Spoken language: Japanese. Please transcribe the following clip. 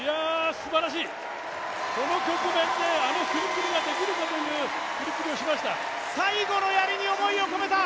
すばらしい、この局面であの振り切りができるかという振りきりをしました。